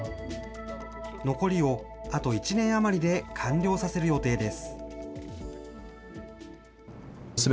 残りをあと１年余りで完了させる予定です。